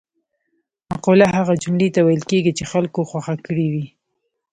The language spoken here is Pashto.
مقوله هغه جملې ته ویل کېږي چې خلکو خوښه کړې وي